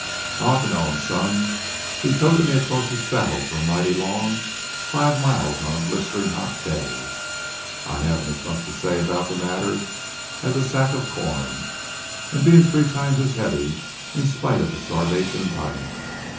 "I ought to know him, son. He toted me across his saddle for a mighty long five miles on a blistering hot day, I having as much to say about the matter as a sack of corn, and being three times as heavy in spite of a starvation diet.